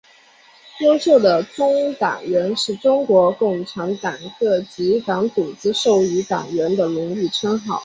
优秀共产党员是中国共产党各级党组织授予党员的荣誉称号。